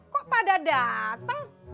kok pada dateng